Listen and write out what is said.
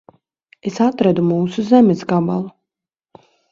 Es atradu mūsu zemes gabalu.